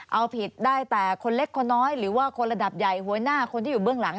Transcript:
เอาผิดได้แต่คนเล็กคนน้อยหรือว่าคนระดับใหญ่หัวหน้าคนที่อยู่เบื้องหลัง